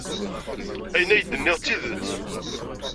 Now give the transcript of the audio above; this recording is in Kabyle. Ayen ay d-nniɣ d tidet.